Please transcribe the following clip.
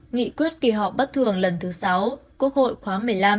nghị quyết kỳ họp bất thường lần thứ sáu quốc hội khóa một mươi năm